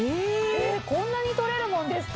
こんなに取れるもんですか。